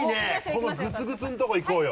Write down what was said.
このグツグツの所いこうよ